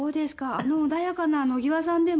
あの穏やかな野際さんでも。